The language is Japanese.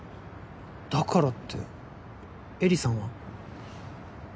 だからって絵里さんは？